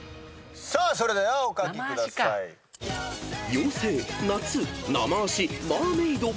［「妖精」「夏」「ナマ足」「マーメイド」］